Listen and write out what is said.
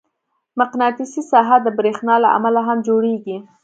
مقناطیسي ساحه د برېښنا له امله هم جوړېږي.